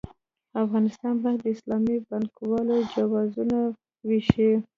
افغانستان بانک د اسلامي بانکوالۍ جوازونه وېشي.